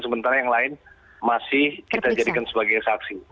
sementara yang lain masih kita jadikan sebagai saksi